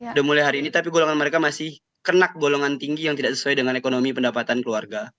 sudah mulai hari ini tapi golongan mereka masih kenak golongan tinggi yang tidak sesuai dengan ekonomi pendapatan keluarga